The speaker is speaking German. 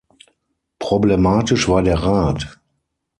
Problematisch war der Rat.